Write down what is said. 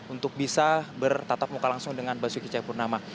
untuk bisa bertatap muka langsung dengan basuki cahayapurnama